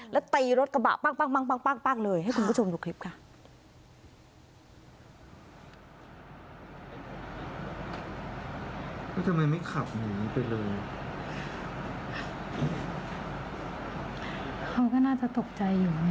แล้วตีรถกระบะปั้งเลยให้คุณผู้ชมดูคลิปค่ะ